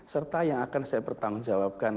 serta yang akan saya pertanggungjawabkan